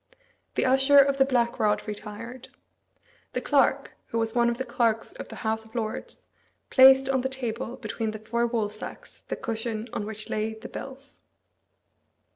The Usher of the Black Rod retired. The clerk, who was one of the clerks of the House of Lords, placed on the table, between the four woolsacks, the cushion on which lay the bills.